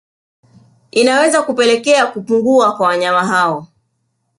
Inaweza kupelekea kupungua kwa wanyama hao